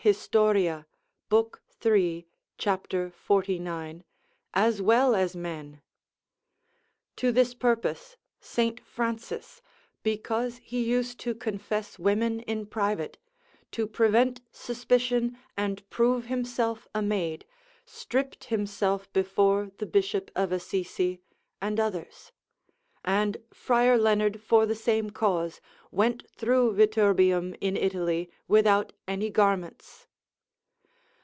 hist. Tib. 3. cap. 49. as well as men. To this purpose Saint Francis, because he used to confess women in private, to prevent suspicion, and prove himself a maid, stripped himself before the Bishop of Assise and others: and Friar Leonard for the same cause went through Viterbium in Italy, without any garments.